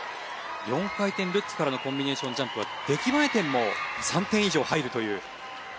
４回転ルッツからのコンビネーションジャンプは出来栄え点も３点以上入るという。